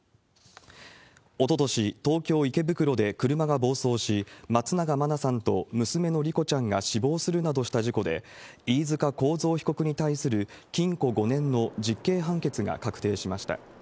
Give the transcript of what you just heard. おととし、東京・池袋で車が暴走し、松永真菜さんと娘の莉子ちゃんが死亡するなどした事故で、飯塚幸三被告に対する禁錮５年の実刑判決が確定しました。